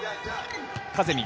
カゼミ。